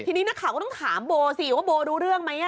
ทีนี้นักข่าวก็ต้องถามโบสิว่าโบรู้เรื่องไหม